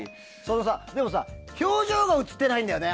でもさ、表情が映ってないんだよね